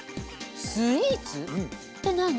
スイーツ？って何？